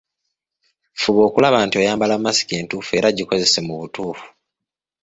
Fuba okulaba nti oyambala masiki entuufu era gikozese mu butuufu.